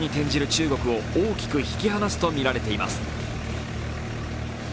中国を大きく引き離すとみられています。